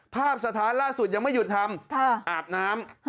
สถานล่าสุดยังไม่หยุดทำอาบน้ำ